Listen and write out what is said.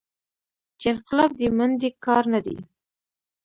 چې انقلاب دې منډې کار نه دى.